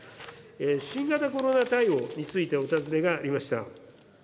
新型コロナ対応についてお尋ねがありました。